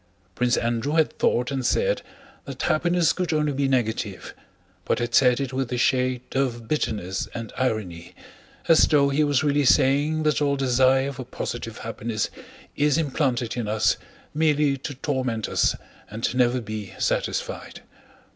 Prince Andrew had thought and said that happiness could only be negative, but had said it with a shade of bitterness and irony as though he was really saying that all desire for positive happiness is implanted in us merely to torment us and never be satisfied.